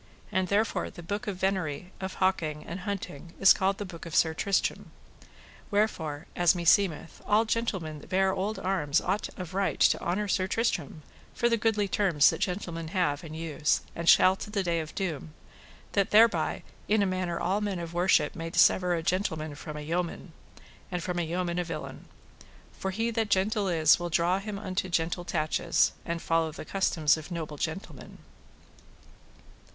And therefore the book of venery, of hawking, and hunting, is called the book of Sir Tristram. Wherefore, as meseemeth, all gentlemen that bear old arms ought of right to honour Sir Tristram for the goodly terms that gentlemen have and use, and shall to the day of doom, that thereby in a manner all men of worship may dissever a gentleman from a yeoman, and from a yeoman a villain. For he that gentle is will draw him unto gentle tatches, and to follow the customs of noble gentlemen.